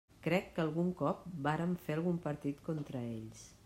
Crec que algun cop vàrem fer algun partit contra ells.